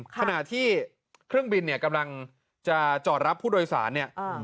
ขณะที่เครื่องบินเนี่ยกำลังจะจอดรับผู้โดยสารเนี่ย